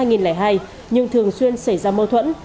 nhưng thường xuyên xảy ra mâu thuẫn